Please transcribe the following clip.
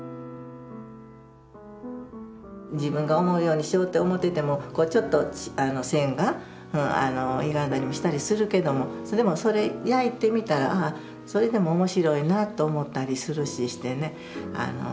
自分が思うようにしようって思っててもちょっと線がゆがんだりもしたりするけどもでもそれ焼いてみたらそれでも面白いなと思ったりするししてね。